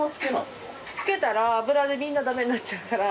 つけたら脂でみんなダメになっちゃうから。